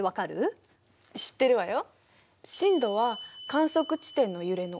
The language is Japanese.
知ってるわよ。